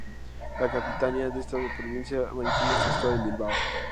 La capitanía de esta provincia marítima está situada en Bilbao.